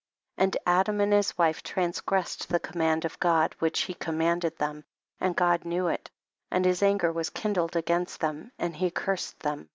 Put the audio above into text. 1 1 . And Adam and his wife trans gressed the command of God which he commanded them, and God knew it, and his anger was kindled against them and he cursed them, 12.